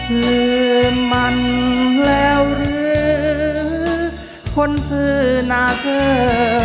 ลืมมันแล้วหรือคนซื่อหนาเสือ